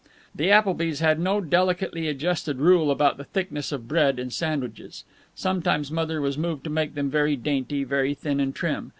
The Applebys had no delicately adjusted rule about the thickness of bread in sandwiches. Sometimes Mother was moved to make them very dainty, very thin and trim.